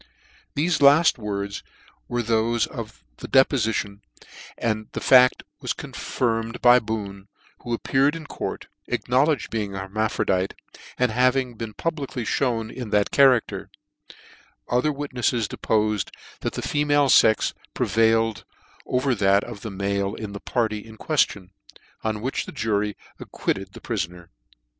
Thefe laft words were thofe of the depofition ; and the fat was confirmed by Boone, who ap peared in court, acknowledged being an herma phrodite, and having been publicly Ihcwn in that character* Other witnefles depofed that the female fex prevailed over that of the male in the party in queftion : on which the jury acquitted the pri foner.